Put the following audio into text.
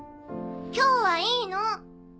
今日はいいの！